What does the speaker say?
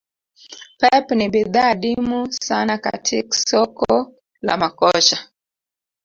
Pep ni bidhaa adimu sana katik soko la makocha